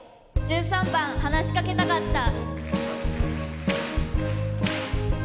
１３番「話しかけたかった」。